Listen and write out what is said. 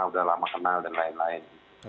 sudah lama kenal dan lain lain